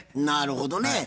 なるほどね。